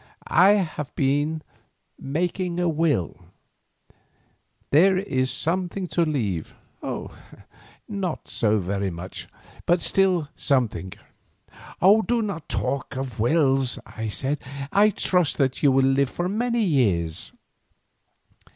I have been making my will—there is something to leave; not so very much, but still something." "Do not talk of wills," I said; "I trust that you may live for many years."